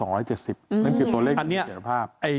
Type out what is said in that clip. นั่นคือตัวเลขเสร็จภาพ